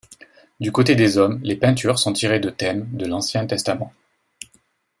Du côté des hommes les peintures sont tirées de thèmes de l'Ancien Testament.